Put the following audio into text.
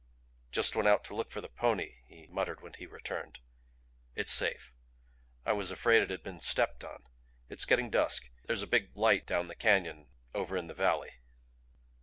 "Just went out to look for the pony," he muttered when he returned. "It's safe. I was afraid it had been stepped on. It's getting dusk. There's a big light down the canyon over in the valley."